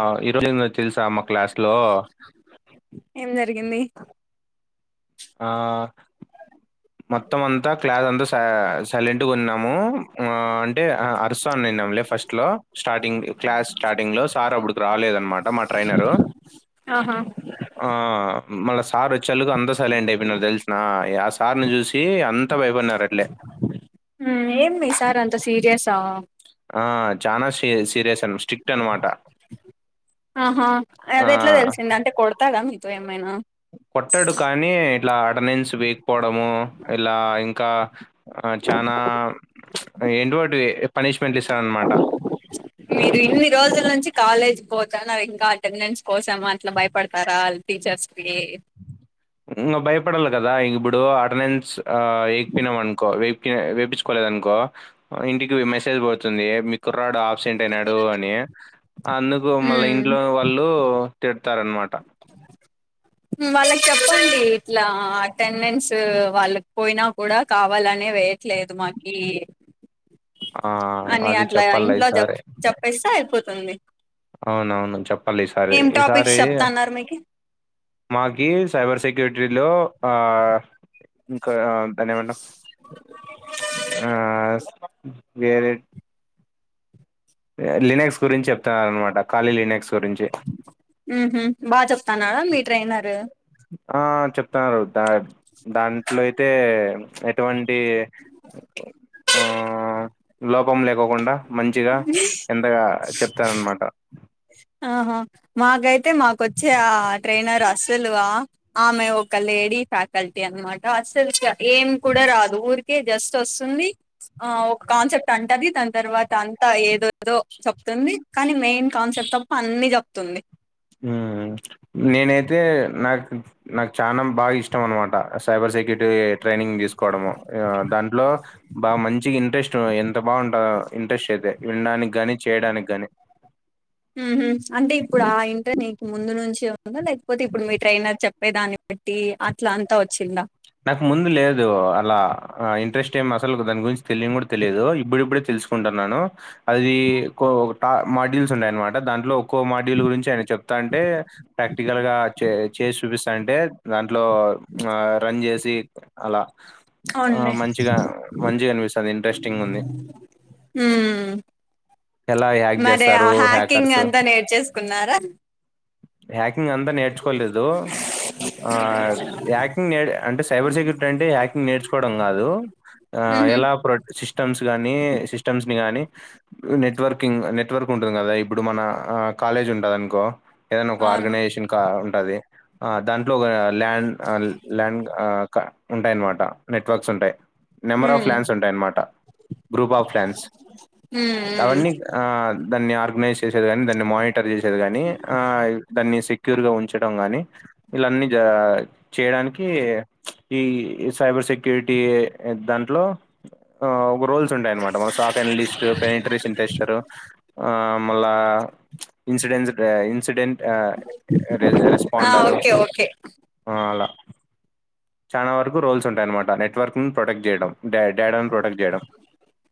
ఆ ఈ రోజు ఏందో తెలుసా మా క్లాస్ లో ఏం జరిగింది ఆ మొత్తం అంతా క్లాస్ అంతా స సైలెంట్గా ఉన్నాము ఆ అంటే అరుస్తను నేను ఫస్ట్ లో స్టార్టింగ్ క్లాస్ స్టార్టింగ్ లో సార్ అప్పుడుకి రాలేదనమాట మా ట్రైనరు ఆహా మళ్ళ సార్ వచ్చే సరికి అంత సైలెంట్ అయిపోయినాము తెలిసిన ఆ సార్ని చూసి అంత ఏమి మీ సార్ అంత సీరియసా ఆ చాలా సీరియస్ అ స్టిస్ట్ అనమాట ఆహా అది ఎట్లా ఆ! తెలిసింది అంటే కొడతాడ మీతో ఏమైనా కొట్టాడు కానీ ఇట్లా అటెండెన్స్ వేయకపోవడము ఇలా ఇంకా ఇంక చనా ఇటువంటివే మీరు ఇన్ని రోజుల నుంచి కాలేజీ పోతా నావ్ ఇంకా అటెండెన్స్ కోసం అట్లా భయపడతారా టీచర్స్ కి ఉమ్ భయపడల కదా ఇప్పుడు అటెండెన్స్ వేపిచ్చుకోలేదనుకో ఇంటికి మెసేజ్ పోతుంది కుర్రడు ఆబ్సెంట్ అయినాడు అని అందుకు మళ్ళా ఉమ్, ఇంట్లో వాళ్ళు తిట్టేస్తారు అన్మాట వాళ్ళకి చెప్పండి ఇట్లా అటెండెన్స్ వాళ్ళకి పోయినా కూడా కావాలనే వేయట్లేదు మాకీ ఆ, అని అది అట్లా చెప్పాలి ఇంట్లో చెప్ ఈసారి చెప్పేస్తే అయిపోద్ది అవునవును చెప్పాలి ఈసారి ఏం ఈసారి టాపిక్స్ చెప్తాన్నారు మీకి మాకి సైబర్ సెక్యూరిటీ లో ఆ ఇంకా ధన్యవాదములు ఆ వేరే లీనెక్స్ గురించి చెప్తున్నారనమాట ఊహూ బా చెప్తానారా మీ ట్రైనర్ ఆ చెప్తున్నారు దాంట్లో అయితే ఎటువంటి లోపం లేకోకుండా మంచిగా ఎంతగా చెప్తారన్నమాట ఆహా మాకైతే మాకొచ్చే ఆ ట్రైనర్ అస్సలు ఆ ఆమె ఒక లేడీ ఫ్యాకల్టీ అనమాట అసలు కి ఏం కూడా రాదు ఊరికే జస్ట్ వస్తుంది ఆ ఒక కాన్సెప్ట్ అంటది దాని తర్వా అంతా ఏదోదో చెప్తుంది కానీ మెయిన్ కాన్సెప్ట్ తప్ప అన్ని చెప్తుంది హ్మ్ నేనైతే నాకు నాకు చానా బాగా ఇష్టం అనమాట సైబర్ [unintelligible] ట్రైనింగ్ తీసుకోవడము దాంట్లో బా మంచి ఇంట్రెస్ట్ ఎంత బాగుంటందో ఇంట్రెస్ట్ అయితే వినడానికి గాని చేయడానికి గాని ఊహూ అంటే ఇప్పుడు ఆ ఇంట నీకు ముందు నుంచి ఉందా లేకపోతే ఇప్పుడు మీ ట్రైనర్ చెప్పేదాన్ని బట్టి అట్ల అంతా వచ్చిందా నాకు ముందు లేదు అలా ఇంట్రెస్ట్ ఏమి అసలుకి దాని గురించి తెలియని కూడా తెలియదు ఇప్పుడుప్పుడే తెలి తెలుసుకుంటున్నాను అది ట మాడ్యూస్ ఉండాయన్నమాట దాంట్లో ఒక్కో మాడ్యూల్ గురించి ఆయన చెప్ త అంటే ప్రాక్టికల్ గా చే చేసి చూపిస్తాంటే దాంట్లో ఆ రన్ చేసి అలా ఆ అవునులే మంచిగా మంచిగ అనిపిస్తుంది ఇంట్రెస్టింగా ఉంది ఉమ్ ఎలా హ్యాక్ మరి ఆ చేస్తారు హ్యాకింగ్ హ్యాకర్సు అంతా నేర్చేసుకున్నారా హ్యాకింగ్ అంతా నేర్చుకోలేదు ఆ హ్యాకింగ్ నె అంటే సైబర్ సెక్యూరిటీ అంటే హ్యాక్కింగ్ నేర్చుకోవడం కాదు ఆ ఉహు ఎలా ప్రో సిస్టమ్స్ గాని సిస్టమ్స్ ని గాని నెట్వర్కింగ్ నెట్వర్క్ ఉంటుంది కదా ఇప్పుడు మన కాలేజ్ ఉంటదనుకో ఏదైనా ఒక అవును ఆర్గనైజేషన్ ఉంటది ఆ దాంట్లో ఒక ల్యాండ్ ఆ ల్యాండ్ ఉంటాయన్నమాట నెట్వర్క్స్ ఉంటాయి నెంబర్ ఆఫ్ ఉమ్ లాండ్స్ ఉంటాయన్నమాట గ్రూప్ ఆఫ్ లాండ్స్ హ్మ్ అవన్నీ ఆ దాన్ని ఆర్గనైజ్ చేసేది గాని దాన్ని మానిటర్ చేసేది గాని ఆ దాన్ని ఈ సెక్యూర్ గా ఉంచడం గానీ ఇలా అన్నీ చే చేయడానికి ఈ సైబర్ సెక్యూరిటీ దాంట్లో ఒక రోల్స్ ఉంటాయన్నమాట మన సాక్ ఎనలిస్ట్ [unintelligible] ఆ మళ్ళ ఇన్సిడెం ఇన్సిడెంట్ ఆ ర హ్మ్ ఆ రెస్పండారు ఓకే ఓకే ఆ అలా చాలా వరకు రోల్స్ ఉంటాయన్నమాట నెట్వర్క్ ను ప్రొటెక్ట్ చేయడం డాడాని ప్రొటెక్ట్ చేయడం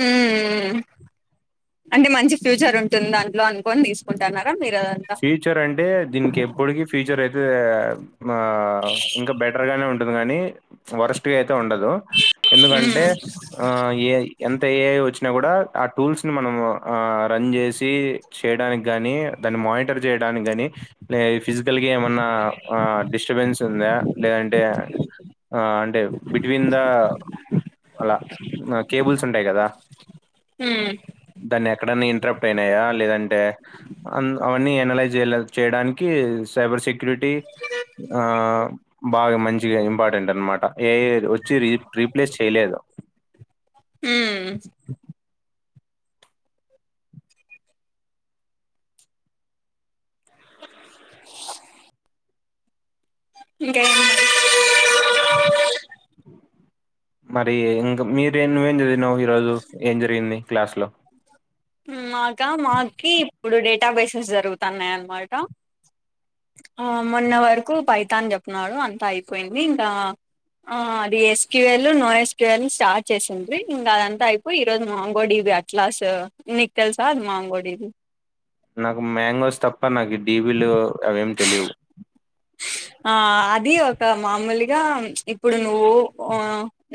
హ్మ్ హ్మ్. అంటే మంచి ఫ్యూచర్ ఉంటుంది దాంట్లో అనుకొని తీసుకుంటాన్నారా మీరు అదంతా ఫ్యూచర్ అంటే దీనికి ఎప్పటికి ఫ్యూచర్ అయితే ఆ ఇంకా బెటర్ గానే ఉంటుంది గానీ వరస్ట్గా అయితే ఉండదు హ్మ్ ఎందుకంటే ఎంత ఏ వచ్చిన కూడాూఆ టూల్స్ ని మనం రన్ చేసి చేయడా నీ దాన్ని మాయిట్ చేయడానికిని ఫిజ కలికి ఏమన్నా డిస్టర్బెన్స్ ఉందా లేదంటే ఆ అంటే బిట్వీన్ ద అలా కేబుల్స్ ఉంటాయి కదా హ్మ్ దాన్ని ఎక్కడన్నా ఇంట్రప్ట్ అయినాయా లేదంటే అవన్నీ చేయడానికి సైబర్ సెక్య సెక్యూరిటీ బాగా మంచిగా ఇంపార్టెంట్ అనమాట ఏ వచ్చి రీ రీప్లేస్ చేయలేదు ఇంకేం అే మరి ఇంకా మీరే నువ్వేం చదివినావు ఈరోోజు ఏం జరిగింది క్లాస్ లో మాకా మాకి ఇప్పుడు డేటా బేసెస్ జరుగుతున్నాయి అన్నమాట ఆ మొన్న వరకు పైటను అని చెప్తున్నాడు అంతా అయిపోయింది ఇంకా అది ఎస్క్యూవల్ నాన్ ఎస్క్యూఎల్ స్టార్ట్ చేసిండంది ఇంకా అదంతా అయిపోయి ఈ రరోజు మాంగో అట్లా స నికల్ సాదు మాంగడిది నాకు మ్యాంగోస్ తప్ప నాకు డడిబిలు అవేం తెలివు ఆ అది ఒక మామూలుగా ఇప్పుడు నువ్వు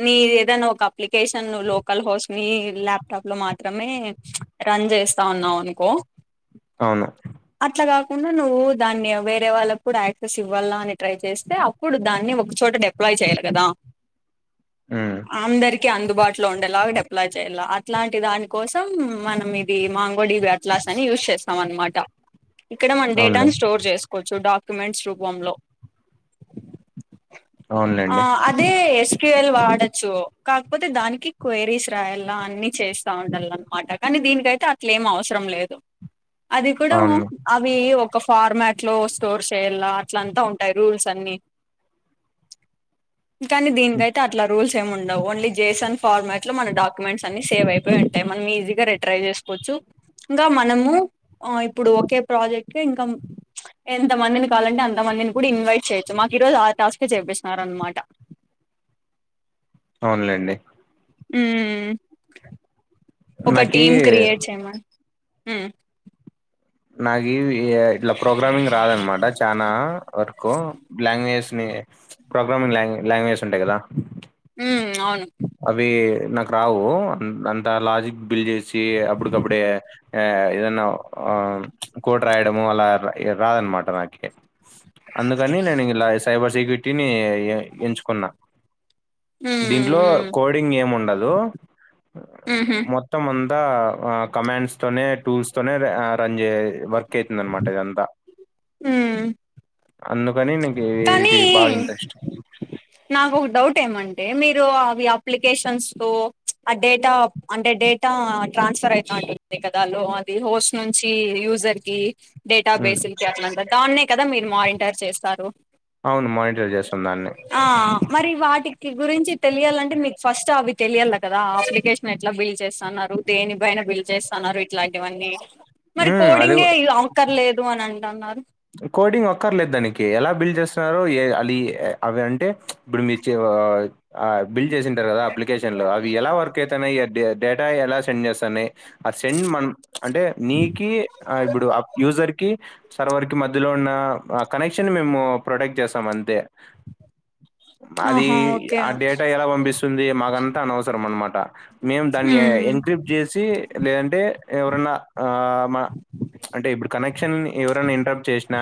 నీ ఏదనా ఒక అప్లికేషన్ లోకల్ హౌస్ ని ల్యాప్టాప్ లో మాత్రమే రన్ చేస్తా ఉన్నావు కో అవును అట్లా కాకుండా నువ్వు దాన్ని వేరే వాళ్ళప్పుడు యాక్ స్ ఇవ్వాల అని ట్రై చేస్తే అప్పుడు దాన్ని ఒకచోట డప్లాయ్ చేయాలి కదా ఉమ్, ఆందరికి అందుబాటులో ఉండేలాగా డెప్ చేయలా అట్లాంటి దాని కోసం మనం ఇది మాంగోడివి అట్లా అని యూజ్ చేస్తాం అన్నమాట ఇక్కడ మన అవునులే డేటాను స్టోర్ చేసుకోవచ్చు డాక్యుమెంట్స్ రూపంలో ఆ అవునులేండి అదే ్యల్ వాడొచ్చు కాకపోతే దానికి క్వైరీస్ రాయాల అన్ని చేస్తా ఉండాల అనమాట కానీ దీనినికిైతే అట్లే ఏం అవసరం లేదు అది కూడా అవును అవి ఒక ఫార్మాట్ లో స్టోర్ చేయలా అట్లంతా ఉంటాయి రూల్స్ అన్ని కానీ దీనికయితే అట్లా రూల్స్ సమ్ ఉండవు ఓన్లీ జేసన్ ఫార్మాట్ లో మన డాక్యుమెంట్స్ అన్ని సేవ్ అయిపోయి ఉంటాయి మనం ఈజీగా రిట్రై చేసుకోవచ్చు ఇంకా మనము ఇప్పుడు ఒకే ప్రాజెక్ట్ ఇంకా ఎంత మందిని కావాలంటే అ ఎంత మందిని కూడా ఇన్వైట్ చేయొచ్చు మాకు ఈ రోజు ఆ టాస్క్ చేపిస్తున్నారుా అనమాట అవునులేండి ఒక నాకి టీమ్ క్రియేట్ చేయమ హ నాకు ఇట్లా ప్రోగ్రామింగ్ రాదనమాట చనా వ లాంగ్వేజ్ ని ప్రోగ్రామింగ్ లాంగ లాంగ్వేజ్ ఉంటాయి కదా హ అవి నాకు రావు అంత లాజిక్ బిల్ చేసి అప్పుటికప్పుడే ఆ ఏదన్న కోడ్ రాయడం అలా రాదు అన మాట నాకి అందుకని నేను ఇలా సైబర్ సెక్యూరిటీని ఎంచుకున్నా ఉ కోడింగ్ ఆమ్ ఉండదు ఉహు మొత్తం ఆ అ కమాండ్స్ తోనే టూల్స్ తోనే రన్ చే వర్క్ అవుతుంది అనమాట ఇదంతా ఆ అందుకని నికీ ఇది బాగా ఇంట్రెస్ట్ నాకోక డౌట్ ఏమంటే మీరు అవి అప్లికేషన్స్ తో ప్చ్ ఆ డేటా అంటే డే టా ట్రాన్స్ఫర్ అయితా ఉంటుంది కదాలో అది హోస్నుంచి యూజర్ కి డేటా హ్మ్. బేసీల్కి అట్లాంత దాన్నే కదా మీరు మానింటర్ చేస్తారు. అవును మానిటర్ చేస్సాం దాన్నే ఆ మరి వాటికి గురించి తెలియాలంటే మీక్ ఫస్ట్ అవి తెలియాల కదా ఆ అప్లికేష్నా ఎట్లా బిల్ చేస్సన్న రోగ్ దేని బైనా బిల్ చేస్తన్నారు ఇట్లాంటివన్నీ మరి హ్మ్. అది కోడింగే ఇది అవక్కర్ లేదు అని అంటన్నార్ కోడింగ్ అక్కర్లేద్ దానికి ఎలా బిల్ చేస్తరో ఏ అలీ ఏ అవ్వంటే ఇప్పుడు మీచే ఆ బిల్ చేసింటారు కదా అప్లికేషన్లో అవి ఎలా వర్క్ అయితన్నాయి అంటే డేటా ఎలా సెండ్ చేస్తానయి ఆ సెండ్ మన్ ప్చ్ అంటే నీకి ఆ ఇప్పుడు ఆప్ యూజర్కి, సర్వర్ కి మధ్యలో ఉన్న ఆ కనెక్షన్ మేము ప్రొటెక్ట్ చేస్తాం అంతే అది ఆహా ఓకే ఆ డేటా ఎలా పంపిస్తుంది మాకంతా అనవసరం అన్నమాట్ ట మేము దాన్ని ఏ ఉమ్ ఎంక్రిప్ చేసి లేదంటే ఎవరన్నా ఆ మ అంటే ఇప్పుడు కనెక్షన్ ఎవరన్నా ఇంటర్ చెస్నా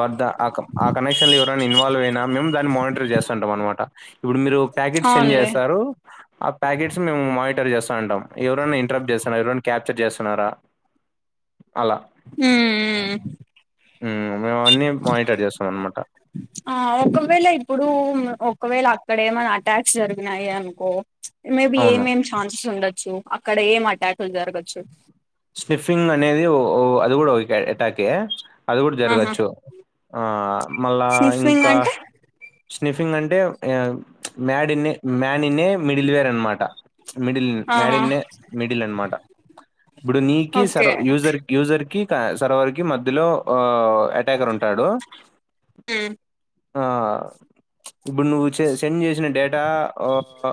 వద్ద ఆ కం ఆ కనెక్షన్ లో ఎవరైనా ఇన్వాల్వ్ అయినా. మేం దాన్ని మానిట్రే చేస్తాంటాం అనమాట. ఇప్పుడు మీరు ప్యాకెట్ సెండ్ అవునులే చేస్తారు. ఆ ప్యాకెట్స్ మేము మానిటర్ చేస్తా అంటాం. ఎవరైనా ఇంట్రప్ట్ చేస్తరా, ఎవరైనా క్యాప్చర్ చేస్తున్నారా? అలా. ఉమ్ మ్ మ్ హ్మ్. మేమవన్నీ మానిటర్ చేస్తామనమాట. ఆ ఒకవేళ ఇప్పుడు ఒకవేళ అక్కడ ఏమైన్నా అటాక్ జరిగినాయి అనుకో, మేబి అవును. ఏమేం ఛాన్సెస్ ఉండొచ్చు. అక్కడ ఏం అటాకులు జరగచ్చు స్నిఫింగ్ అనేది ఓ ఓ అది కూడా ఒక ఎటాకే అది గూడా ఆహా జరగచ్చు ఆ మళ్ళా స్నిఫింగ్ ఇంకా అంటే స్నిఫింగ్ అంటే ఏయా ప్చ్ మ్యాడిన్నే మ్యానిన్నే మిడిల్వేర్ అన్నమాట ప్చ్ మిడిల్ ఆహా మ్యాడిన్నే మిడిల్ అన్నమాట ఇప్పుడు నీకే ఓకే సర్వ్ యూజర్ యూజర్ కి సర్వర్కి మధ్యలో ఆ అటాకర్ ఉంటాడు ఉహ్ ఆ ప్చ్ ఇప్పుడు నువ్వు సె సెండ్ చేసిన డేటా ఓ ఆ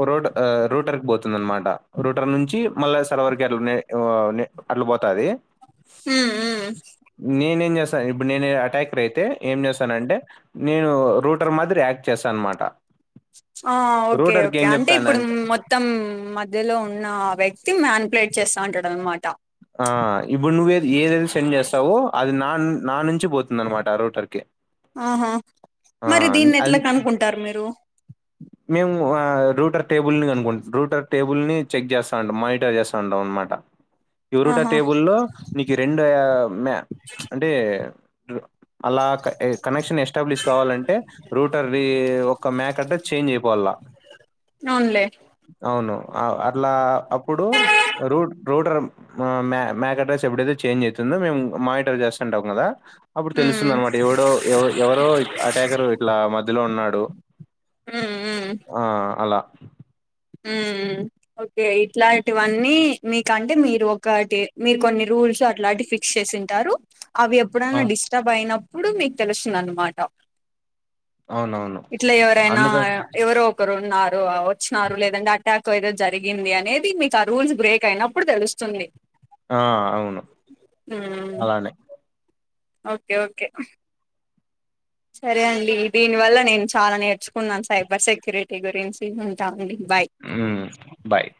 ఓరోడ్ ఆ రూటర్ కి పోతుంది అన్నమాట. రూటర్ నుంచి మళ్ళా సరవర్ గేర్లనే ఏవో అట్లు పోతది ఉమ్ ఉమ్ నేనేం చేస్ స్త ఇప్పుడు నేను అటాకర్ అయితే ఏం చేసానంటే నేను రూటర్ మాదిరి యాక్ చేస్త అనమాట ఆ ఓకే రూటర్కి ఓకే ఏం అంటే ఇప్పుడు చెప్తానంటే మొత్తం మధ్యలో ఉన్న వ్యక్ తి మ్యాన్ ప్లేట్ చేస్తా ఉంటాడు అన్నమాట ఆ ఇప్పుడు నువ్వే ఏదైతే సెండ్ చేస్తావో అది నా నా నుంచి పోతుందనమాట రూటర్కి ఆహా ఆ, మరి దీన్ని అది ఎట్లా కనుకుంటారు మీరు మేము ఆ రూటర్ టేబుల్ని కనుకుం రూటర్ టేబుల్ని చెక్ చేస్తాంటాం, మానిటర్ చేస్తాంటం నమాట ఎరుట ఆహా టేబుల్లో నీకు రెండు మ అంటే అలా కనెక్షన్ ఎస్టాబ్లిష్ కావాలంటే రూటర్ ఒక మ్యాక్ అ చేంజ్ అయిపోవాల అవునులే అవును అట్లా అప్పుడు రూట్ రూటర్ మ్యాక్ అడ్రస్ ఎప్పుడైతే చేంజ్ అవుతుందో మేము మానిటర్ చేస్తాం అంటాం కదా అప్పుడు తెలుస్తుంది ఉమ్ అనమాట ఎవడో ఎవరో అటాకరు ఇట్లా మధ్యలో ఉన్నాడు డు ఉమ్ ఉమ్ ఆ అలా ఓకే ఇట్లాంటివన్నీ మీక అంటే మీరు ఒకటి మీరు కొన్ని రూల్స్ అట్లాంటి ఫిక్స్ చేసింటారు అవి ఎప్పుడైనా అవును డిస్టర్బ్ అయినప్పుడు మీకు తెలుస్తుందన్నమాట అవునవును ఇట్లా ఎవరైనా అందుకని ఎవరో ఒకరు ఉన్నారు వచ్చు లేదంటే అటాక్ ఏదో జరిగింది అనేది మీకు ఆ రూల్స్ బ్రేక్ అయినప్పుడు తెలుస్తుంది ఆ అవును అలానే ఓకే ఓకే సరే అండి దీని వల్ల నేను చాలా నేర్చుకున్నాను సైబర్ సెక్యూరిటీ గురించి ఉంటా అండి బాయ్ హ్మ్మ్ బాయ్